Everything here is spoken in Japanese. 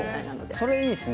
それ、いいっすね。